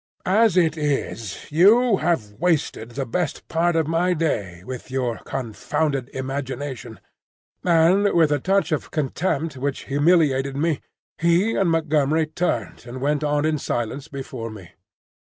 "As it is, you have wasted the best part of my day with your confounded imagination." And with a touch of contempt which humiliated me, he and Montgomery turned and went on in silence before me.